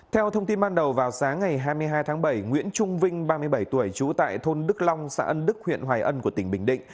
theo thông tin ban đầu vào sáng ngày hai mươi hai tháng bảy nguyễn trung vinh ba mươi bảy tuổi trú tại thôn đức long xã ân đức huyện hoài ân của tỉnh bình định